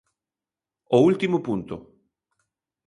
O último punto.